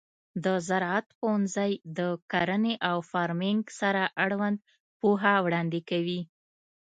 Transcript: د زراعت پوهنځی د کرنې او فارمینګ سره اړوند پوهه وړاندې کوي.